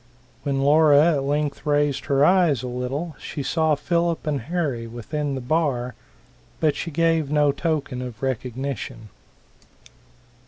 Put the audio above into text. When Laura at length raised her eyes a little, she saw Philip and Harry within the bar, but she gave no token of recognition.